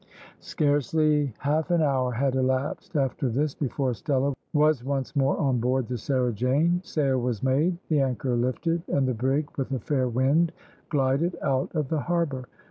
Scarcely half an hour had elapsed after this before Stella was once more on board the Sarah Jane. Sail was made, the anchor lifted, and the brig with a fair wind glided out of the harbour.